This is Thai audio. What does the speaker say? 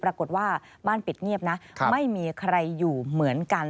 ปรากฏว่าบ้านปิดเงียบนะไม่มีใครอยู่เหมือนกัน